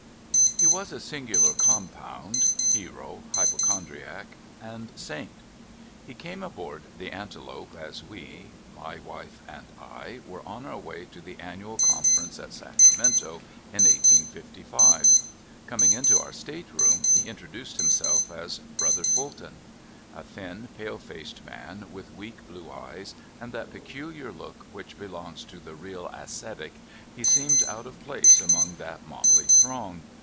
HE was a singular compound — hero, hypo chondriac, and saint. He came aboard the "Antelope" as we (wife and I) were on our way to the Annual Conference at Sacramento in 1855. Coming into our stateroom, he introduced himself as ''Brother Fulton." A thin, pale faced man, with weak blue eyes, and that peculiar look which belongs to the real ascetic, he seemed out of place among that motley throng.